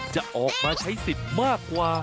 จะออกมาใช้สิทธิ์มากกว่า